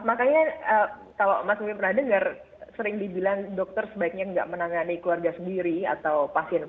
makanya kalau mas wil pernah dengar sering dibilang dokter sebaiknya nggak menangani keluarga sendiri atau pasien